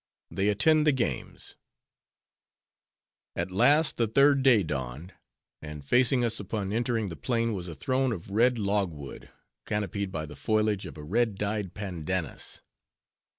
They Attend The Games At last the third day dawned; and facing us upon entering the plain, was a throne of red log wood, canopied by the foliage of a red dyed Pandannus.